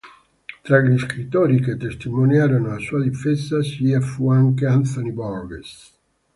Tra gli scrittori che testimoniarono a sua difesa ci fu anche Anthony Burgess.